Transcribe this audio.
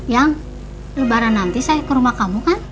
yang lebaran nanti saya ke rumah kamu kan